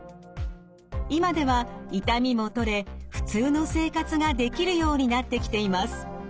今では痛みも取れ普通の生活ができるようになってきています。